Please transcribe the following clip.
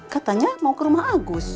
katanya mau ke rumah agus